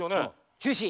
中止？